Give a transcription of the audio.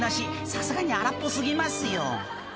さすがに荒っぽ過ぎますよ